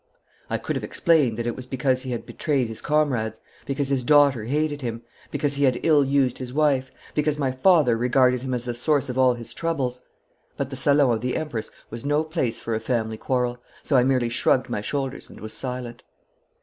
I could have explained that it was because he had betrayed his comrades, because his daughter hated him, because he had ill used his wife, because my father regarded him as the source of all his troubles but the salon of the Empress was no place for a family quarrel, so I merely shrugged my shoulders, and was silent.